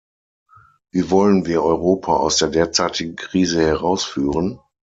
Wie wollen wir Europa aus der derzeitigen Krise herausführen?